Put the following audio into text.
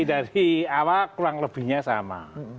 dari awal kurang lebihnya sama